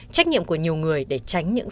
trách nhiệm của nhiều người để tránh những